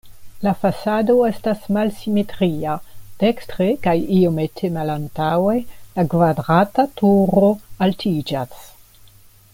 La fasado estas malsimetria, dekstre kaj iomete malantaŭe la kvadrata turo altiĝas.